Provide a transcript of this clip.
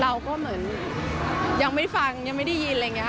เราก็เหมือนยังไม่ฟังยังไม่ได้ยินอะไรอย่างนี้